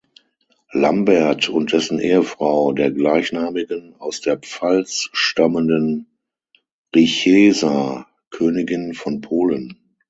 Lambert und dessen Ehefrau, der gleichnamigen, aus der Pfalz stammenden Richeza, Königin von Polen.